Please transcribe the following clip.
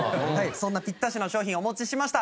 そんなピッタシの商品をお持ちしました。